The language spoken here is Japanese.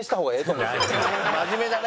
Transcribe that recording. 真面目だね。